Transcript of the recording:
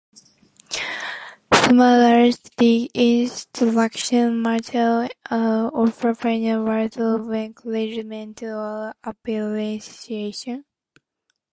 Summarize the instruction manual and offer final words of encouragement or appreciation.